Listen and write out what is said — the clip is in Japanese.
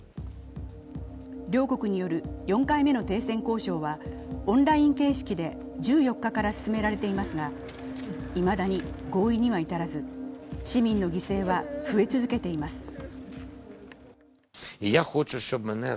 両国による４回目の停戦交渉はオンライン形式で１４日から進められていますがいまだに合意には至らず市民の犠牲は増え続けています。